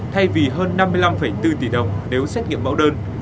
thay vì hơn năm mươi năm bốn tỷ đồng nếu xét nghiệm mẫu đơn